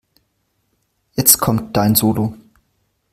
Jetzt kommt dein Solo.